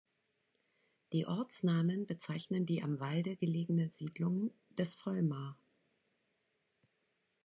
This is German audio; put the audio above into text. Die Ortsnamen bezeichnen die am Walde gelegene Siedlung des Volmar.